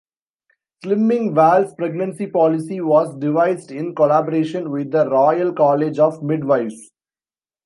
Slimming World's pregnancy policy was devised in collaboration with the Royal College of Midwives.